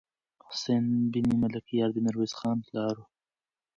حسين بن ملکيار د ميرويس خان پلار و.